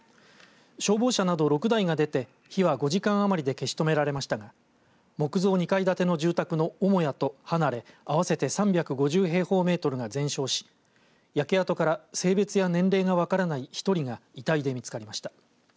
消防車など６台が出て火は５時間余りで消し止められましたが木造２階建ての住宅の母屋と離れ合わせて３５０平方メートルが全焼し焼け跡から性別や年齢が分からない１人が遺体で見つかりました。